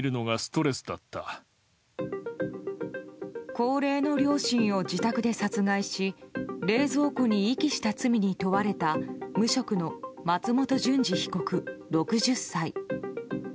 高齢の両親を自宅で殺害し冷蔵庫に遺棄した罪に問われた無職の松本淳二被告、６０歳。